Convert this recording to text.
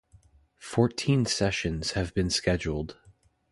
Fourteen sessions have been scheduled.